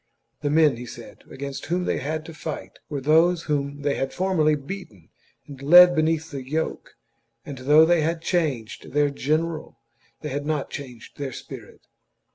The men, he said, against whom they had to fight were THE JUGURTHINE WAR. 175 those whom they had formerly beaten and led beneath chap. XLIX. the yoke, and though they had changed their general they had not changed their spirit.